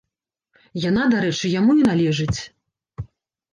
Яна, дарэчы, яму і належыць.